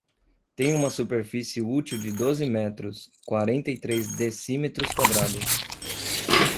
Tem uma superfície útil de doze metros, quarenta e três decímetros quadrados.